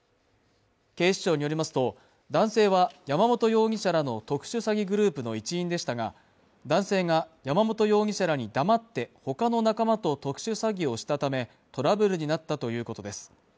警視庁によりますと男性は山本容疑者らの特殊詐欺グループの一員でしたが男性が山本容疑者らに黙ってほかの仲間と特殊詐欺をしたためトラブルになったということです